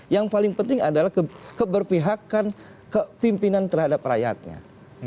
yang paling penting adalah keberpihakan kepimpinan terhadap rakyatnya